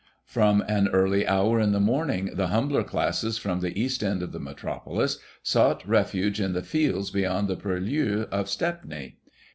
From an early hour in the morning, the humbler classes from the east end of the Metropolis sought refuge in the fields beyond the purlieus of Stepney.